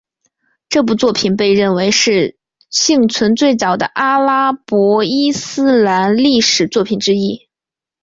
这部作品被认为是幸存的最早的阿拉伯伊斯兰历史作品之一。